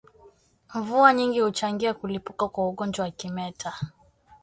Mvua nyingi huchangia kulipuka kwa ugonjwa wa kimeta